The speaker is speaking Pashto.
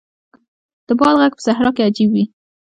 د باد ږغ په صحرا کې عجیب وي.